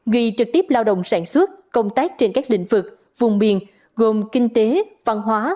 ghi trực tiếp lao động sản xuất công tác trên các lĩnh vực vùng miền gồm kinh tế văn hóa